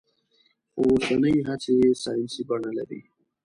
خو اوسنۍ هڅې يې ساينسي بڼه لري.